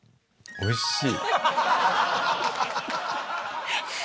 おいしい。